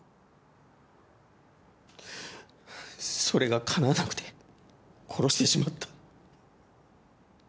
それがかなわなくて殺してしまった。